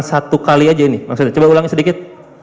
satu kali aja ini coba ulangin sedikit